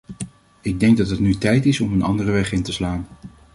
Ik denk dat het nu tijd is om een andere weg in te slaan.